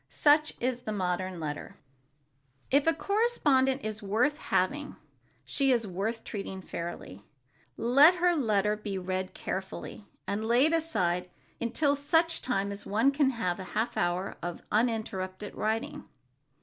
Such is the modern letter. If a correspondent is worth having, she is worth treating fairly. Let her letter be read carefully, and laid aside until such time as one can have a half hour of uninterrupted writing.